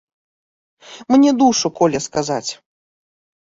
Мне душу коле сказаць!